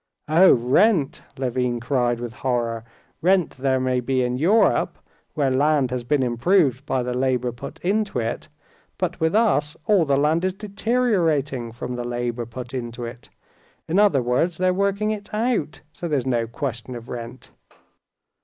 "Oh, rent!" Levin cried with horror. "Rent there may be in Europe, where land has been improved by the labor put into it, but with us all the land is deteriorating from the labor put into it—in other words they're working it out; so there's no question of rent."